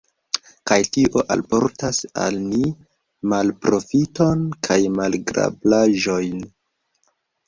Kaj tio alportas al ni malprofiton kaj malagrablaĵojn.